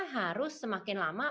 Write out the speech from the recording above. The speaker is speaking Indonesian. harus semakin lama